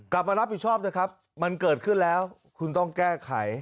กลับมารับผิดชอบนะครับมันเกิดขึ้นแล้วคุณต้องแก้ไข